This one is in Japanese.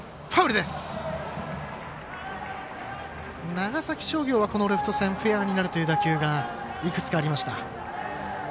長崎商業はレフト線フェアになるという打球がいくつかありました。